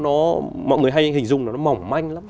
nó mọi người hay hình dung là nó mỏng manh lắm